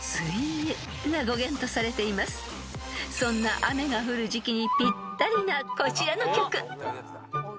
［そんな雨が降る時季にぴったりなこちらの曲］